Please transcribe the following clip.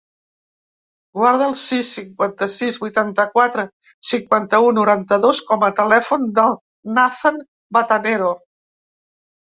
Guarda el sis, cinquanta-sis, vuitanta-quatre, cinquanta-u, noranta-dos com a telèfon del Nathan Batanero.